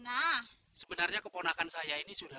nah sebenarnya keponakan saya ini sudah